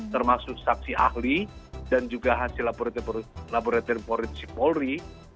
termasuk saksi ahli dan juga hasil laboratorium forensik polri